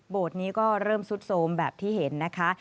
โบสถ์นี้ก็เริ่มสุดสมแบบที่เห็นนะคะ